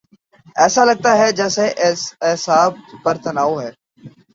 ایسا لگتاہے جیسے اعصاب پہ تناؤ ہے۔